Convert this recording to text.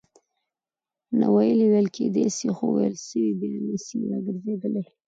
ناویلي ویل کېدای سي؛ خو ویل سوي بیا نه سي راګرځېدلای.